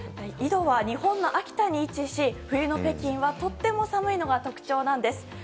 緯度は日本の秋田に位置し冬の北京はとても寒いのが特徴なんです。